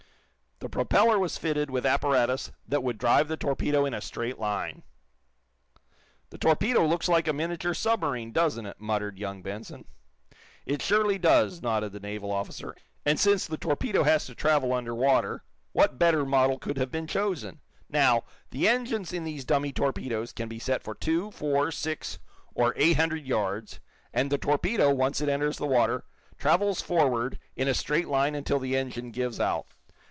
The propeller was fitted with apparatus that would drive the torpedo in a straight line. "The torpedo looks like a miniature submarine, doesn't it?" muttered young Benson. "It surely does," nodded the naval officer. "And, since the torpedo has to travel under water, what better model could have been chosen? Now, the engines in these dummy torpedoes can be set for two, four, six or eight hundred yards, and the torpedo, once it enters the water, travels forward, in a straight line until the engine gives out.